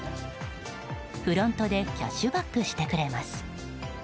フロントでキャッシュバックしてくれます。